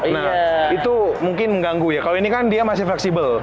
nah itu mungkin mengganggu ya kalau ini kan dia masih fleksibel